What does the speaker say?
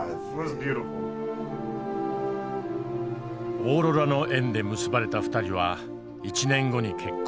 オーロラの縁で結ばれた２人は１年後に結婚。